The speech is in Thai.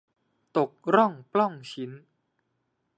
ตกล่องปล้องชิ้น